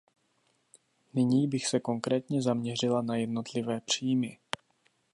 Nyní bych se konkrétně zaměřila na jednotlivé příjmy.